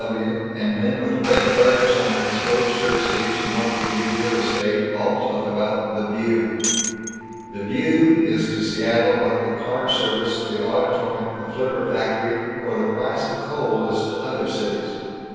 W. W., and men with red garters on their exposed shirt sleeves who want to give you real estate, all talk about the View. The View is to Seattle what the car service, the auditorium, the flivver factory, or the price of coal is to other cities.